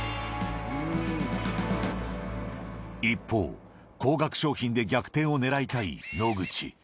一方、高額商品で逆転を狙いたい野口。